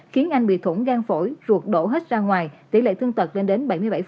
khiến anh bị thủng gan phổi ruột đổ hết ra ngoài tỷ lệ thương tật lên đến bảy mươi bảy